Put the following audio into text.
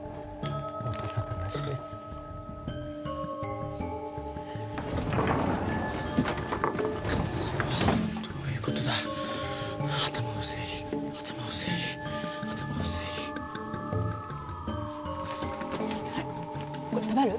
音沙汰なしですクソどういうことだ頭を整理頭を整理頭を整理はいこれ食べる？